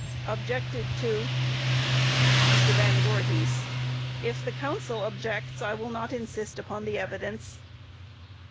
Objected to. MR. VAN VOORHIS: If the counsel objects I will not insist upon the evidence.